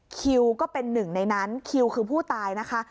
คิวก็เป็นหนึ่งในนั้นคิวคือผู้ตายนะคะ